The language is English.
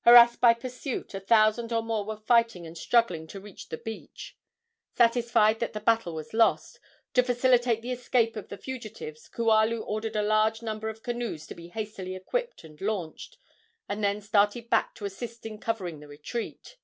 Harassed by pursuit, a thousand or more were fighting and struggling to reach the beach. Satisfied that the battle was lost, to facilitate the escape of the fugitives Kualu ordered a large number of canoes to be hastily equipped and launched, and then started back to assist in covering the retreat.